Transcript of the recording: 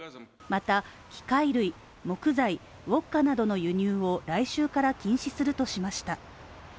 また、機械類、木材、ウオッカなどの輸入を来週から禁止するとしました。